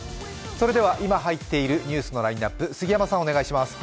それでは、今入っているニュースのラインナップ杉山さん、お願いします。